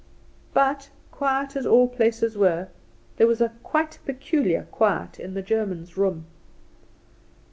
But, quiet as all places were, there was a quite peculiar quiet in the German's room.